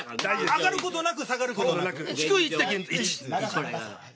上がることなく、下がることなく。